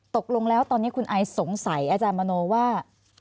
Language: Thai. ตกลงแล้วตอนนี้คุณไอสงสัยอาจารย์มโนว่า